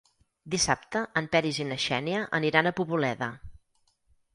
Dissabte en Peris i na Xènia aniran a Poboleda.